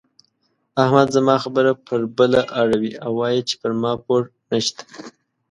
احمد زما خبره پر بله اړوي او وايي چې پر ما پور نه شته.